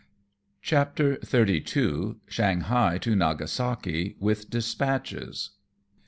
CHAPTER XXXII. SHANGHAI TO NAGASAKI WITH DISPATCHES.